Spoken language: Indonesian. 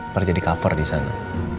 pernah jadi cover disana